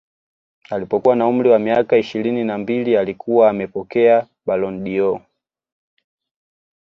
Alipokuwa na umri wa miaka ishirini na mbili alikuwa amepokea Ballon dOr